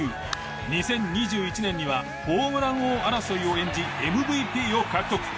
２０２１年にはホームラン王争いを演じＭＶＰを獲得。